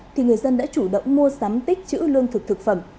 thì người dân đã chủ động mua sắm tích chữ lương thực thực phẩm